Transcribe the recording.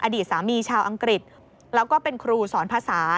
อดีตสามีชาวอังกฤษแล้วก็เป็นครูสอนภาษา